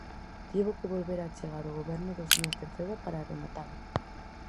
Tivo que volver a chegar o Goberno do señor Cerceda para rematalo.